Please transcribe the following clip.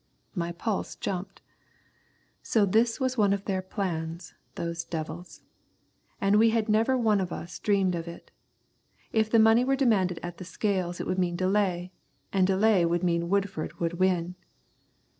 My pulse jumped. So this was one of their plans, those devils. And we had never a one of us dreamed of it. If the money were demanded at the scales it would mean delay, and delay meant that Woodford would win.